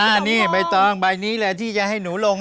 อันนี้ใบตองใบนี้แหละที่จะให้หนูลง